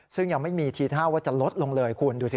ซึ่งยังไม่มีทีท่าว่าจะลดลงเลยคุณดูสิ